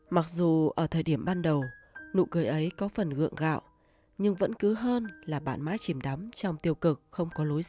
mặc dù ở thời điểm ban đầu nụ cười ấy có phần gượng gạo nhưng vẫn cứ hơn là bạn mãi chìm đắm trong tiêu cực không có lối sống